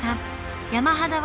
山肌は緑。